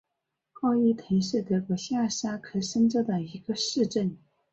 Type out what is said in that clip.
奥伊滕是德国下萨克森州的一个市镇。